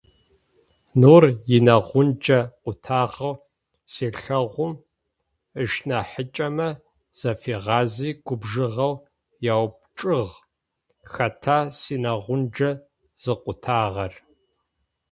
Нур инэгъунджэ къутагъэу зелъэгъум, ышнахьыкӀэмэ зафигъази губжыгъэу яупчӀыгъ: «Хэта синэгъунджэ зыкъутагъэр?».